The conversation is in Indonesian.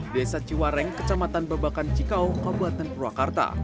desa ciwareng kecamatan babakan cikau kabupaten purwakarta